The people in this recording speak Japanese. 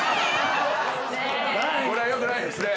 これはよくないですね。